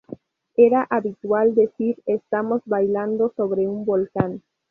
Era habitual decir estamos bailando sobre un volcán.